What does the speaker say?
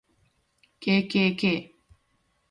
kkk